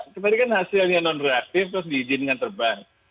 iya jadi kan kemarin hasilnya non reaktif terus diizinkan terbang